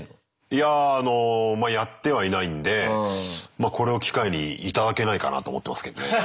いやあのまあやってはいないんで。これを機会に頂けないかなと思ってますけどね。